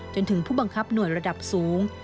จนถึงผู้บังคับหน่วยระดับสูง